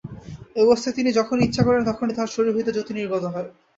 এ-অবস্থায় তিনি যখনই ইচ্ছা করেন, তখনই তাঁহার শরীর হইতে জ্যোতি নির্গত হয়।